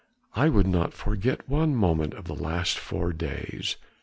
I would not forget one minute of the last four days."